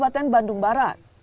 di bandung barat